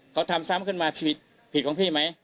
เขาทำซ้ำขึ้นมาชีวิตผิดของพี่ไหม